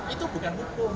itu bukan hukum